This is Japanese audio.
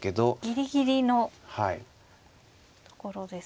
ギリギリのところですけれど。